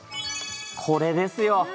これですよ